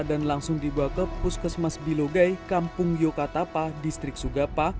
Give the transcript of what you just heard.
dan langsung dibawa ke puskesmas bilogai kampung yokatapa distrik sugapa